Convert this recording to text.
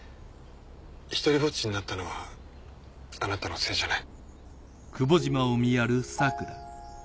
独りぼっちになったのはあなたのせいじゃない。